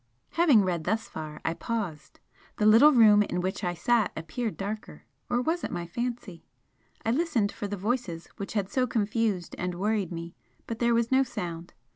Having read thus far, I paused the little room in which I sat appeared darker or was it my fancy? I listened for the voices which had so confused and worried me but there was no sound.